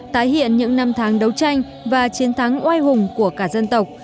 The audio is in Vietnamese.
tái hiện những năm tháng đấu tranh và chiến thắng oai hùng của cả dân tộc